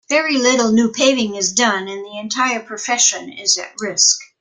Very little new paving is done and the entire profession is at risk.